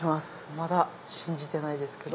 まだ信じてないですけど。